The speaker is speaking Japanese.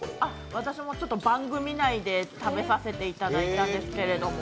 私も番組内で食べさせていただいたんですけれども。